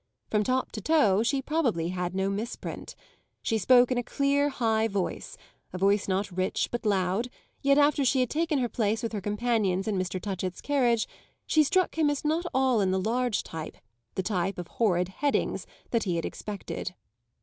From top to toe she had probably no misprint. She spoke in a clear, high voice a voice not rich but loud; yet after she had taken her place with her companions in Mr. Touchett's carriage she struck him as not all in the large type, the type of horrid "headings," that he had expected.